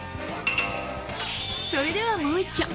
それではもう一丁。